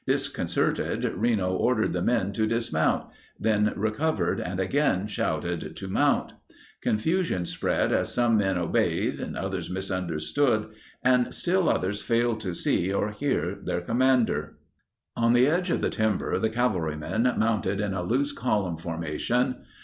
Disconcerted, Reno ordered the men to dismount, then recovered and again shouted to mount. Confu sion spread as some men obeyed, others misunder stood, and still others failed to see or hear their commander. On the edge of the timber, the cavalrymen mounted in a loose column formation.